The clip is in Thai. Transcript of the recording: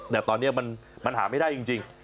แต่ตอนนี้มันหาไม่ได้จริง